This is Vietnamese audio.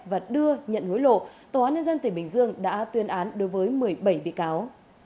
và đưa nhận hối lộ tòa án nhân dân tỉnh bình dương đã tuyên án đối với một mươi bảy bị cáo